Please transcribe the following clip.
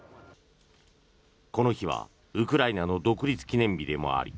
この日はウクライナの独立記念日でもあり